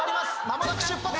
間もなく出発。